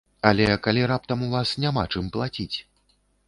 Але калі раптам у вас няма чым плаціць?